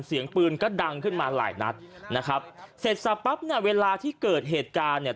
เสียงปืนก็ดังขึ้นมาหลายนัดนะครับเสร็จสับปั๊บเนี่ยเวลาที่เกิดเหตุการณ์เนี่ย